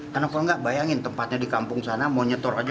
karena kalau nggak bayangin tempatnya di kampung sana mau nyetor aja